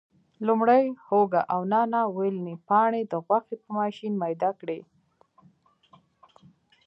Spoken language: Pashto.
لومړی هوګه او نانا ویلني پاڼې د غوښې په ماشین میده کړي.